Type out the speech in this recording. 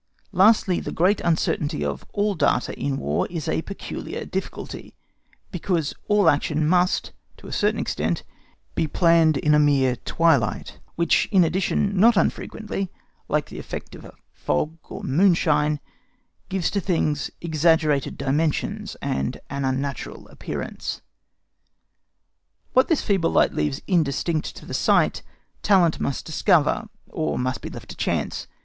Lastly, the great uncertainty of all data in War is a peculiar difficulty, because all action must, to a certain extent, be planned in a mere twilight, which in addition not unfrequently—like the effect of a fog or moonshine—gives to things exaggerated dimensions and an unnatural appearance. What this feeble light leaves indistinct to the sight talent must discover, or must be left to chance.